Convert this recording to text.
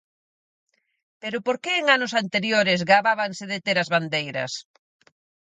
Pero por que en anos anteriores gabábanse de ter as bandeiras?